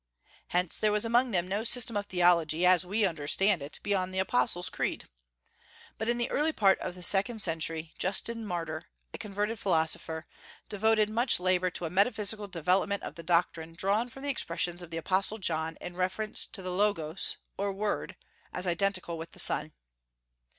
Hence there was among them no system of theology, as we understand it, beyond the Apostles' Creed. But in the early part of the second century Justin Martyr, a converted philosopher, devoted much labor to a metaphysical development of the doctrine drawn from the expressions of the Apostle John in reference to the Logos, or Word, as identical with the Son.